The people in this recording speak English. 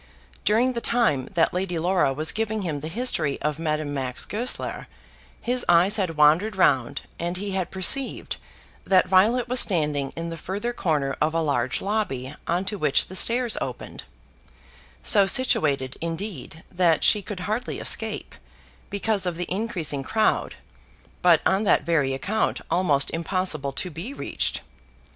During the time that Lady Laura was giving him the history of Madame Max Goesler his eyes had wandered round, and he had perceived that Violet was standing in the further corner of a large lobby on to which the stairs opened, so situated, indeed, that she could hardly escape, because of the increasing crowd, but on that very account almost impossible to be reached.